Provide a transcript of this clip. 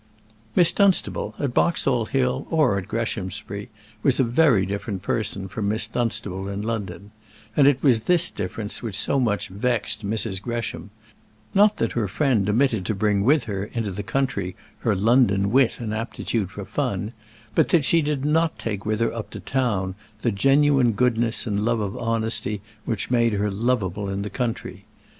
Miss Dunstable, at Boxall Hill or at Greshamsbury, was a very different person from Miss Dunstable in London; and it was this difference which so much vexed Mrs. Gresham; not that her friend omitted to bring with her into the country her London wit and aptitude for fun, but that she did not take with her up to town the genuine goodness and love of honesty which made her loveable in the country.